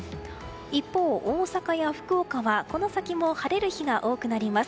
一方、大阪や福岡はこの先も晴れる日が多くなります。